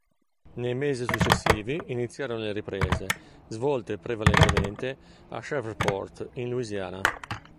Nei mesi successivi iniziarono le riprese, svolte prevalentemente a Shreveport, in Louisiana.